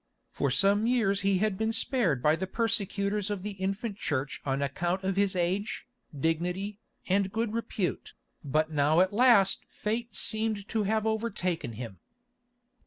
For some years he had been spared by the persecutors of the infant Church on account of his age, dignity, and good repute, but now at last fate seemed to have overtaken him.